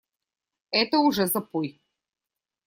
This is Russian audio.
Это уже запой!